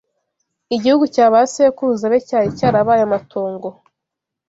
Igihugu cya ba sekuruza be cyari cyarabaye amatongo.